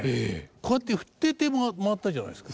こうやって振ってて回ったじゃないですか？